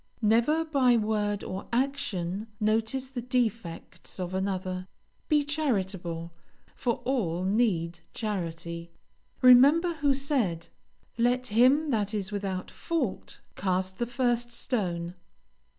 Never by word or action notice the defects of another; be charitable, for all need charity. Remember who said, "Let him that is without fault cast the first stone."